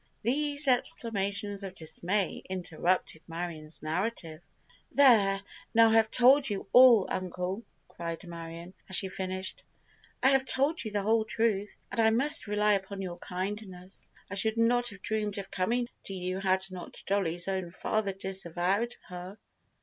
These exclamations of dismay interrupted Marion's narrative. "There—now I have told you all, uncle!" cried Marion, as she finished. "I have told you the whole truth, and I must rely upon your kindness! I should not have dreamed of coming to you had not Dollie's own father disavowed her."